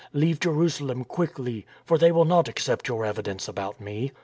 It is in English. Leave Jerusalem quickly, for they will not accept your evi dence about Me.'